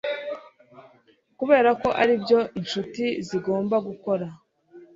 Kuberako aribyo inshuti zigomba gukora